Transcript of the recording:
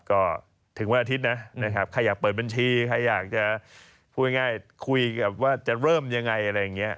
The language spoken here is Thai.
ก็ถึงวันอาทิตย์นะนะครับใครอยากเปิดบัญชีใครอยากจะพูดง่ายคุยกับว่าจะเริ่มยังไงอะไรอย่างนี้